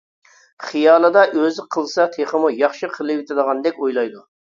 خىيالىدا ئۆزى قىلسا تېخىمۇ ياخشى قىلىۋېتىدىغاندەك ئويلايدۇ.